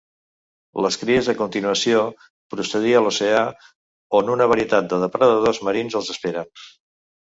Les cries a continuació, procedir a l'oceà, on una varietat de depredadors marins els esperen.